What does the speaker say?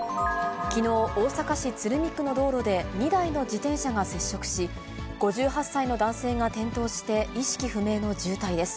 きのう、大阪市鶴見区の道路で、２台の自転車が接触し、５８歳の男性が転倒して意識不明の重体です。